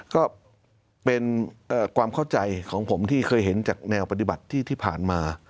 ก็เป็นความเข้าใจของผมที่เคยเห็นจากแนวปฏิบัติที่ผ่านมา